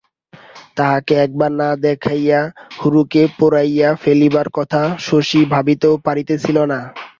তাহাকে একবার না দেখাইয়া হারুকে পোড়াইয়া ফেলিবার কথাটা শশী ভাবিতেও পারিতেছিল না।